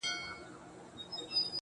زړه مي دي خاوري سي ډبره دى زړگى نـه دی